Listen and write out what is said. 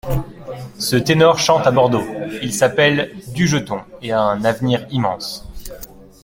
Ce ténor chante à Bordeaux… il s’appelle Dujeton et a un avenir immense…